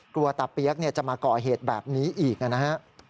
กลัวตาเปี๊ยกจะมาก่อเหตุแบบนี้อีกนะฮะ